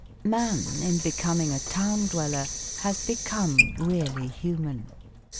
Man in becoming a town dweller has become really human.